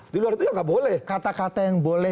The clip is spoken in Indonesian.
di luar itu ya nggak boleh kata kata yang boleh